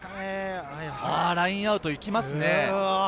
ラインアウト行きますね。